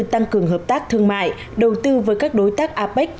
tăng cường hợp tác thương mại đầu tư với các đối tác apec